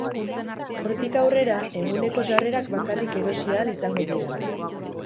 Hortik aurrera eguneko sarrerak bakarrik erosi ahal izango dira.